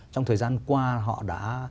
trong thời gian qua họ đã